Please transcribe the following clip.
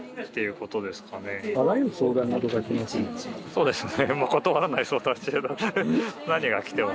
そうですね。